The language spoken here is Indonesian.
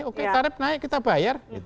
oke tarif naik kita bayar